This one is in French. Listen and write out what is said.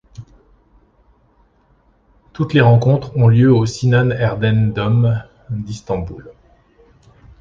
Toutes les rencontres ont lieu au Sinan Erdem Dome d'Istanbul.